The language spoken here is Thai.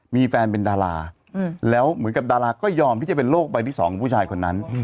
มีแฟนเป็นดาราแล้วเหมือนกับดาราก็ยอมที่จะเป็นโลกใบที่๒ของผู้ชายคนนั้น